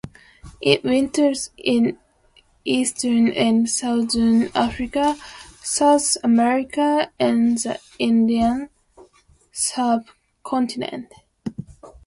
It winters in eastern and southern Africa, South America and the Indian Subcontinent.